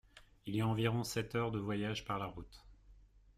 Il y a environ sept heures de voyage par la route.